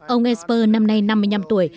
ông esper năm nay năm mươi năm tuổi